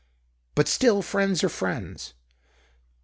But, still, friends are friends.